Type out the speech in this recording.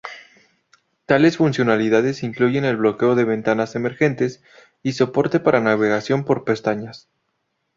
Tales funcionalidades incluyen el bloqueo de ventanas emergentes y soporte para navegación por pestañas.